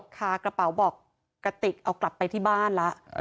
คากระเป๋าบอกกะติกเอากลับไปที่บ้านแล้ว